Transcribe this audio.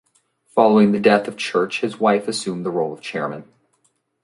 Following the death of Church his wife assumed the role of Chairman.